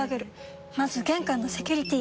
まず玄関のセキュリティ！